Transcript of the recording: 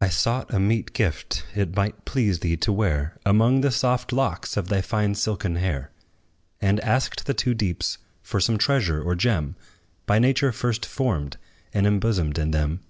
I sought a meet gift, it might please thee to wear Among the soft locks of thy fine silken hair; And asked the two deeps for some treasure or gem, By nature first formed and imbosomed in them.